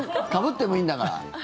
かぶってもいいんだから。